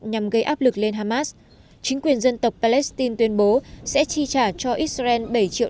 nhằm gây áp lực lên hamas chính quyền dân tộc palestine tuyên bố sẽ chi trả cho israel bảy triệu